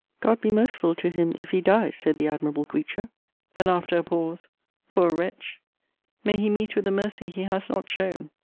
God be merciful to him, if he die! said the admirable creature. Then, after a pause, Poor wretch! may he meet with the mercy he has not shown!